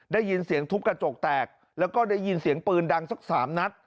ได้ยินเสียงทุบกระจกแตกแล้วก็ได้ยินเสียงปืนดังสักสามนัด